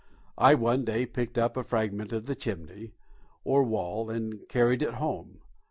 I one day picked up a fragment of the chimney, or wall, and carried it home.